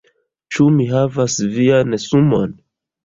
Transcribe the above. Ĉu mi havas vian sumon?